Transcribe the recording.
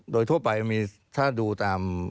โดยทั่วไปทุกอย่างถ้าดูตาม